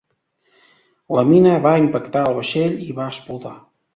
La mina va impactar al vaixell i va explotar.